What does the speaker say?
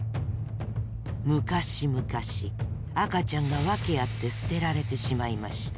昔々赤ちゃんが訳あって捨てられてしまいました。